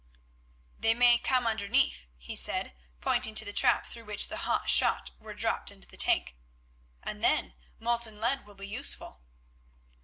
"They may come underneath," he said, pointing to the trap through which the hot shot were dropped into the tank, "and then molten lead will be useful."